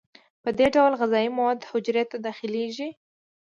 په دې ډول غذایي مواد حجرې ته داخلیږي.